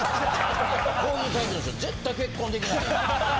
こういうタイプの人絶対結婚できない。